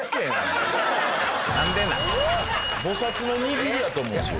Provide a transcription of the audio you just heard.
・なんでなん菩薩の握りやと思うんですよ